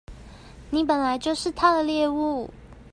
你本來就是他的獵物